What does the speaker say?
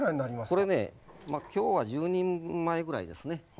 これね今日は１０人前ぐらいですね。